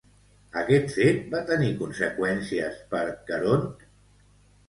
Aquest fet va tenir conseqüències per Caront?